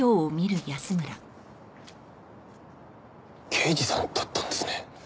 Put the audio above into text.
刑事さんだったんですね。